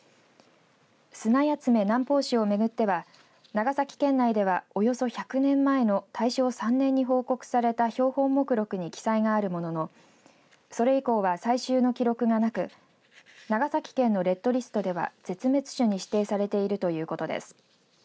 スナヤツメ南方種を巡っては長崎県内ではおよそ１００年前の大正３年に報告された標本目録に記載があるもののそれ以降は最終の記録がなく長崎県のレッドリストでは絶滅種に指定されているということです。